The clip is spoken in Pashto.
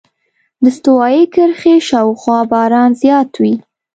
د استوایي کرښې شاوخوا باران زیات وي.